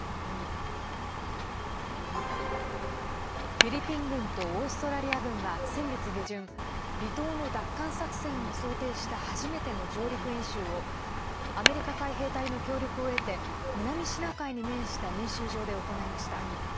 フィリピン軍とオーストラリア軍は先月下旬離島の奪還作戦を想定した初めての上陸演習をアメリカ海兵隊の協力を得て南シナ海に面した演習場で行いました。